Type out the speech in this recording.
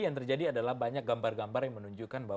yang terjadi adalah banyak gambar gambar yang menunjukkan bahwa